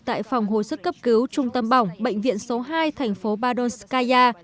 tại phòng hồi sức cấp cứu trung tâm bỏng bệnh viện số hai thành phố badonskaya